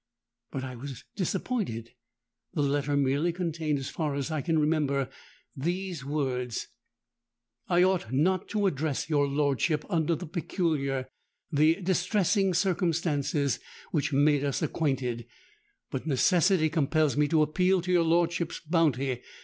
'—But I was disappointed: the letter merely contained, as far as I can remember, these words:—'I ought not to address your lordship, under the peculiar—the distressing circumstances which made us acquainted; but necessity compels me to appeal to your lordship's bounty.